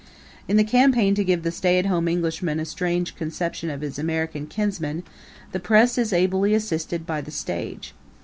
In the campaign to give the stay at home Englishman a strange conception of his American kinsman the press is ably assisted by the stage.